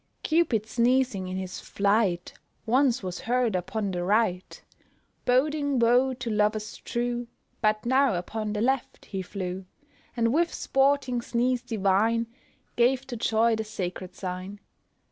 Cupid sneezing in his flight, Once was heard upon the right, Boding woe to lovers true; But now upon the left he flew, And with sporting sneeze divine, Gave to joy the sacred sign.